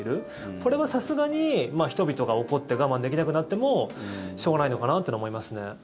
これはさすがに人々が怒って我慢できなくなってもしょうがないのかなというのは思いますね。